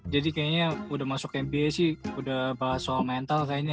jadi kayaknya udah masuk mbe sih udah bahas soal mental kayaknya ya